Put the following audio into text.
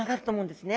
ですね。